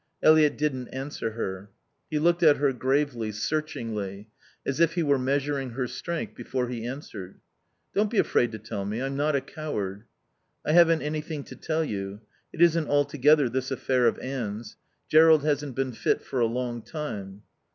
Eliot didn't answer her. He looked at her gravely, searchingly, as if he were measuring her strength before he answered. "Don't be afraid to tell me. I'm not a coward." "I haven't anything to tell you. It isn't altogether this affair of Anne's. Jerrold hasn't been fit for a long time."